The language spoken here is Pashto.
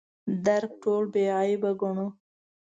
درک ټوله بې عیبه ګڼو.